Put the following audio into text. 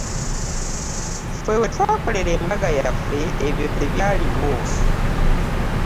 Ffe we twakolera embaga yaffe ebyo tebyaliwo.